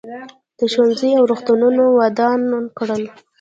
ده ښوونځي او روغتونونه ودان کړل.